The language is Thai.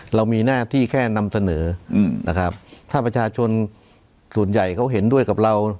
เรามีหน้าที่แค่นำเสนอนะครับถ้าประชาชนส่วนใหญ่เขาเห็นด้วยกับเรา